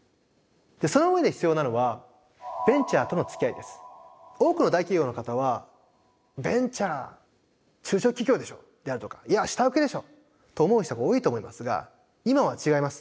その上で必要なのは多くの大企業の方はベンチャー中小企業でしょであるとかいや下請けでしょと思う人が多いと思いますが今は違います。